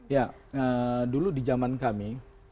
ya dulu di zaman kami